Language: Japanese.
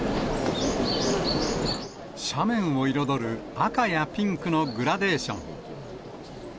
斜面を彩る赤やピンクのグラデーション。